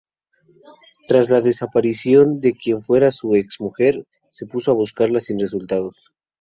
Tras la desaparición de quien fuera su ex-mujer, se puso a buscarla sin resultados.